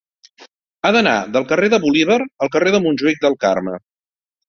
He d'anar del carrer de Bolívar al carrer de Montjuïc del Carme.